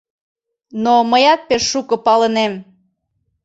Но мыят пеш шуко палынем.